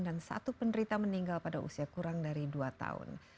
dan satu penderita meninggal pada usia kurang dari dua tahun